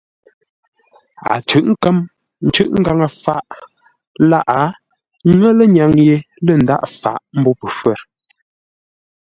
A cʉ̂ʼ kə̌m, cûʼ ngaŋə-faʼ lâʼ, ŋə́ lə́ŋyâŋ ye, lə ndaghʼ fáʼ mbô pəfə̌r.